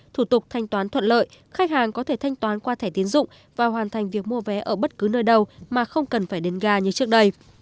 thủ tục thanh toán thuận lợi khách hàng có thể thanh toán qua thẻ tiến dụng và hoàn thành việc mua vé ở bất cứ nơi đâu mà không cần phải đến ga như trước đây